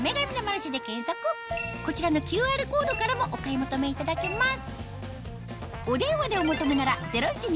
こちらのＱＲコードからもお買い求めいただけます